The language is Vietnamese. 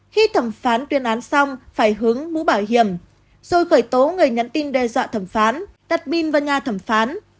khi thẩm phán tuyên án xong phải hướng mũ bảo hiểm rồi khởi tố người nhắn tin đe dọa thẩm phán đặt bim vào nhà thẩm phán